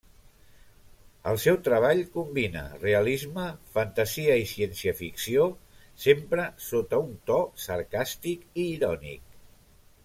El seu treball combina realisme, fantasia i ciència-ficció, sempre sota un to sarcàstic i irònic.